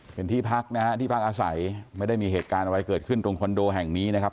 เป็นที่พักนะฮะที่พักอาศัยไม่ได้มีเหตุการณ์อะไรเกิดขึ้นตรงคอนโดแห่งนี้นะครับ